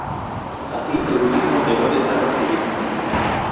Así, el budismo dejó de estar perseguido.